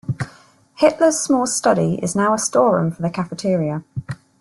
Hitler's small study is now a store room for the cafeteria.